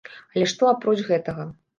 Але што апроч гэтага?